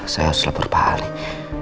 saya harus lepur paling